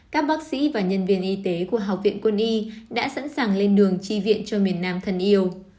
các bác sĩ và nhân viên y tế của học viện quân y đã sẵn sàng lên đường chi viện cho miền nam thân yêu